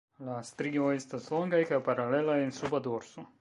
La strioj estas longaj kaj paralelaj en suba dorso.